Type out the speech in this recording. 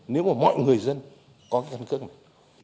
nếu mà mọi người dân có cái căn cước này